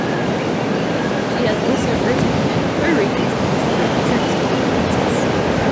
She has also written and co-written songs for the troupe's performances.